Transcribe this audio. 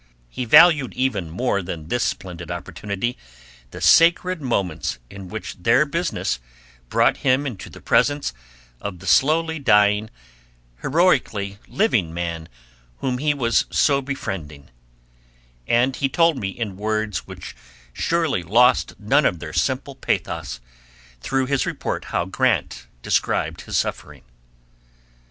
He valued even more than this splendid opportunity the sacred moments in which their business brought him into the presence of the slowly dying, heroically living man whom he was so befriending; and he told me in words which surely lost none of their simple pathos through his report how Grant described his suffering.